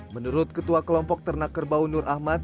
menurut ketua kelompok ternak kerbau nur ahmad